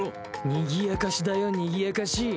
にぎやかしだよにぎやかし。